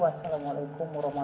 wassalamualaikum wr wb